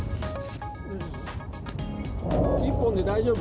１本で大丈夫？